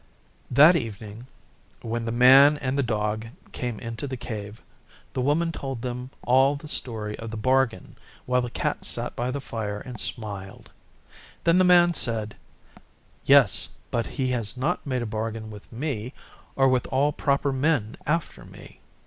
That evening when the Man and the Dog came into the Cave, the Woman told them all the story of the bargain while the Cat sat by the fire and smiled. Then the Man said, 'Yes, but he has not made a bargain with me or with all proper Men after me.